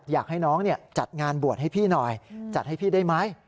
อยากให้น้องจัดงานบวชให้พี่หน่อยจัดให้พี่ได้ไหม